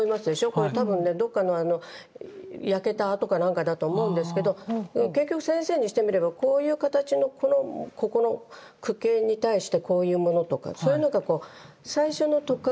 これ多分ねどっかのあの焼けた跡かなんかだと思うんですけど結局先生にしてみればこういう形のこのここの矩形に対してこういうものとかそういうのがこう最初のとっかかりになるんですね。